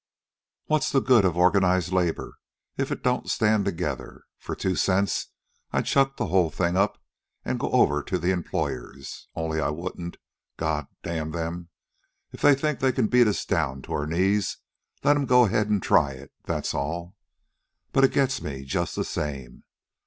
What's the good of organized labor if it don't stand together? For two cents I'd chuck the whole thing up an' go over to the employers. Only I wouldn't, God damn them! If they think they can beat us down to our knees, let 'em go ahead an' try it, that's all. But it gets me just the same.